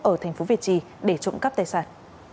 ở thành phố việt trì để trộm cắp tài sản